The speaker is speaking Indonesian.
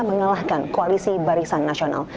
mengalahkan koalisi barisan nasional